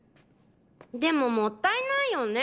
でももったいないよね。